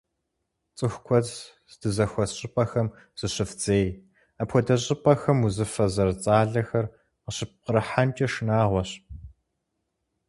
ЦӀыху куэд здызэхуэс щӀыпӀэхэм зыщывдзей, апхуэдэ щӀыпӀэхэм узыфэ зэрыцӏалэхэр къыщыппкъырыхьэнкӏэ шынагъуэщ.